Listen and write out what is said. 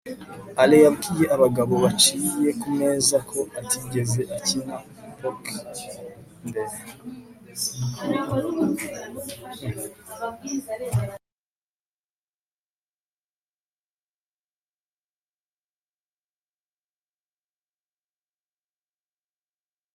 alain yabwiye abagabo bicaye kumeza ko atigeze akina poker mbere